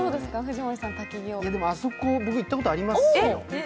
あそこ、僕、行ったことありますよ。